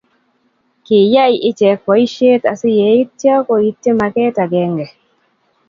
Kiyai icheget boisheet asinetyo koityi makeet agenge